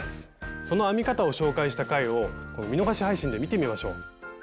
その編み方を紹介した回を見逃し配信で見てみましょう。